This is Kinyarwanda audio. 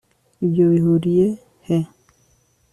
Ibyo bihuriye he